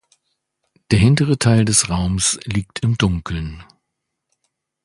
Der hintere Teil des Raums liegt im Dunkeln.